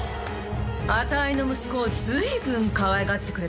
あたいの息子を随分かわいがってくれたようだね。